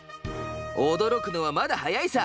驚くのはまだ早いさ。